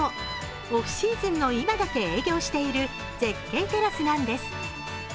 オフシーズンの今だけ営業している絶景テラスなんです。